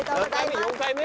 ４回目？